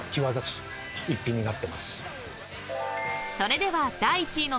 ［それでは第１位の